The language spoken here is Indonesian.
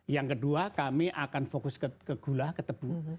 yang kedua kami akan fokus ke gula ke tebu